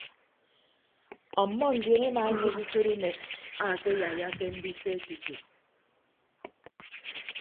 Ọmmọ ndion emaenek ukot unek akeyaiyake ndise tutu.